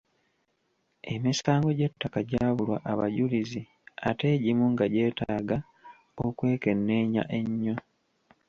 Emisango gy'ettaka gyabulwa abajulizi ate egimu nga gyeetaaga okwekenneenya ennyo.